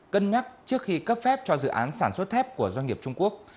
cân nhắc trước khi cấp phép cho dự án sản xuất thép của doanh nghiệp trung quốc